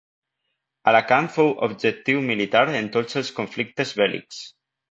Alacant fou objectiu militar en tots els conflictes bèl·lics.